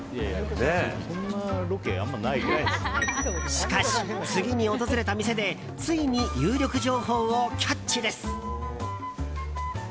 しかし、次に訪れた店でついに有力情報をキャッチです。